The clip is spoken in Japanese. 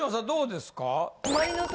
どうですか？